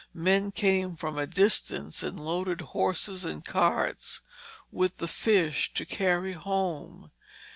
Men came from a distance and loaded horses and carts with the fish to carry home.